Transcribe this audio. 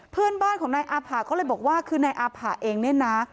เพื่อนบ้านของนายอาผะก็เลยบอกว่าคือนายอาผ่าเองเนี่ยนะ